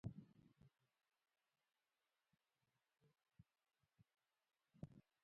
د بندري ښارونو پراختیا په ایټالیا کې پیل شوه.